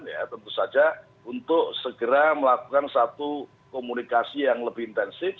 ya tentu saja untuk segera melakukan satu komunikasi yang lebih intensif